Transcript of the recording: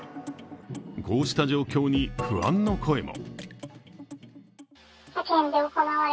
こうした状況に不安の声も。